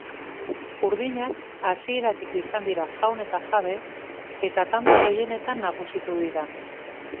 Urdinak hasieratik izan dira jaun eta jabe eta tanto gehienetan nagusitu dira.